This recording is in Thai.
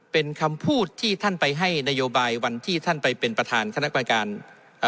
เป็นคำพูดที่ท่านไปให้นโยบายวันที่ท่านไปเป็นประธานคณะประการเอ่อ